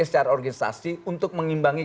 secara organisasi untuk mengimbangi